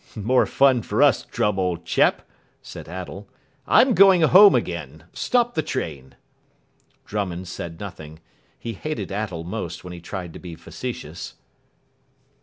"More fun for us, Drum., old chap," said Attell. "I'm going home again. Stop the train." Drummond said nothing. He hated Attell most when he tried to be facetious.